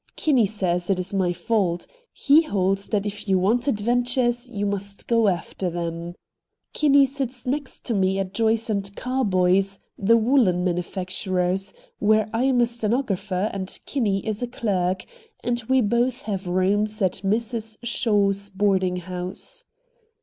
Kinney says it is my fault. He holds that if you want adventures you must go after them. Kinney sits next to me at Joyce & Carboy's, the woollen manufacturers, where I am a stenographer, and Kinney is a clerk, and we both have rooms at Mrs. Shaw's boarding house.